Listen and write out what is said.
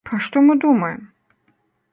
Пра што мы думаем?